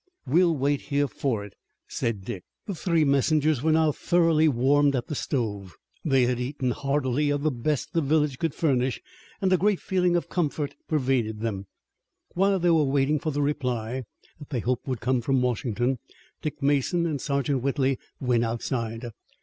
"We'll wait here for it," said Dick. The three messengers were now thoroughly warmed at the stove, they had eaten heartily of the best the village could furnish, and a great feeling of comfort pervaded them. While they were waiting for the reply that they hoped would come from Washington, Dick Mason and Sergeant Whitley went outside.